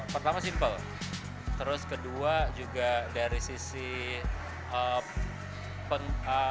pertama simple terus kedua juga dari sisi penting